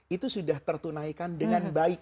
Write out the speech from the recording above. itu sudah tertunaikan dengan baik